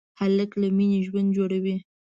هلک له مینې ژوند جوړوي.